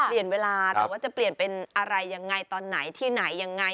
เปลี่ยนเวลาแต่ว่าจะเปลี่ยนเป็นอะไรยังไงตอนไหนที่ไหนยังไง